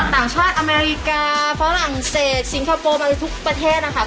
ต่างชาติอเมริกาฝรั่งเศสสิงคโปร์ไปทุกประเทศนะคะ